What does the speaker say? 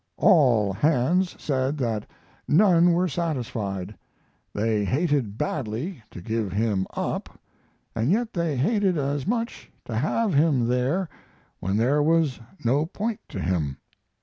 All hands said that none were satisfied; they hated badly to give him up, and yet they hated as much to have him there when there was no point to him.